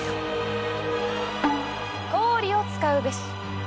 氷を使うべし！